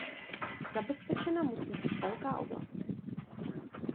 Zabezpečena musí být velká oblast.